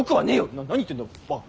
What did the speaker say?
なっ何言ってんだバカ。